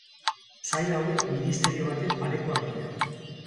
Sail hauek ministerio baten parekoak dira.